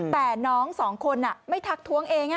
แต่น้องสองคนไม่ทักท้วงเอง